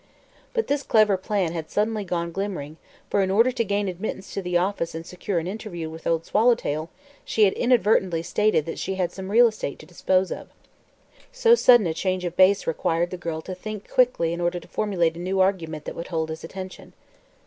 But this clever plan had suddenly gone glimmering, for in order to gain admittance to the office and secure an interview with Old Swallowtail she had inadvertently stated that she had some real estate to dispose of. So sudden a change of base required the girl to think quickly in order to formulate a new argument that would hold his attention.